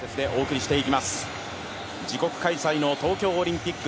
自国開催の東京オリンピック。